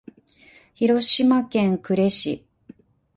広島県呉市